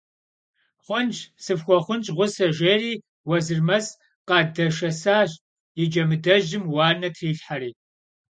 Xhunş, sıfxuexhunş ğuse, – jjêri Vuezırmec khadeşşesaş, yi Cemıdejım vuane trilhheri.